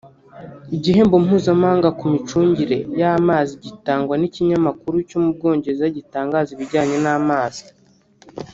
Igihembo Mpuzamahanga ku micungire y’amazi gitangwa n’ikinyamakuru cyo mu Bwongereza gitangaza ibijyanye n’amazi